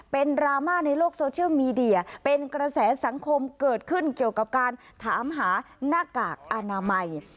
เป็นดราม่าในโลกโซเชียลมีเดียเป็นกระแสสังคมเกิดขึ้นเกี่ยวกับการถามหาหน้ากากอนามัย